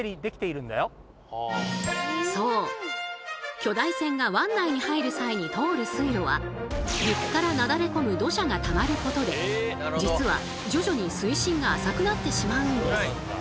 巨大船が湾内に入る際に通る水路は陸からなだれ込む土砂がたまることで実は徐々に水深が浅くなってしまうんです。